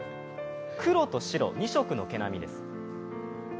黒と白、２色の毛並みです。